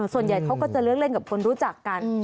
ส่วนใหญ่เขาก็จะเลือกเล่นกับคนรู้จักกัน